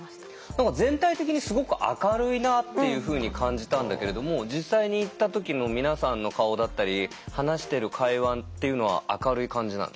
何か全体的にすごく明るいなっていうふうに感じたんだけれども実際に行った時の皆さんの顔だったり話してる会話っていうのは明るい感じなの？